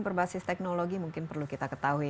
berbasis teknologi mungkin perlu kita ketahui